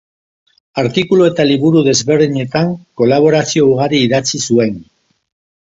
Artikulu eta liburu desberdinetan kolaborazio ugari idatzi zuen.